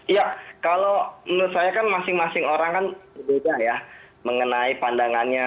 ya kalau menurut saya kan masing masing orang kan berbeda ya mengenai pandangannya